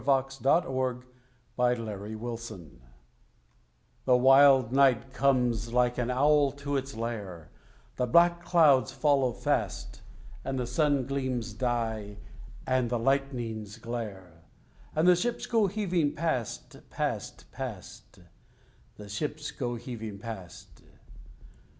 God Help Our Men at Sea The wild night comes like an owl to its lair, The black clouds follow fast, And the sun gleams die, and the lightnings glare, And the ships go heaving past, past, past The ships go heaving past!